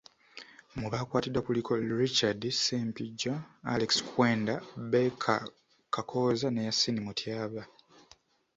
Mu baakwatiddwa kuliko; Richard Ssempijja, Alex Kwenda, Baker Kakooza ne Yasin Mutyaba.